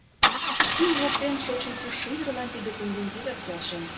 Юл воктен шочын-кушшо ӱдырлан тиде кундем вигак келшен.